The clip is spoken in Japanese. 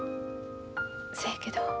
そやけど。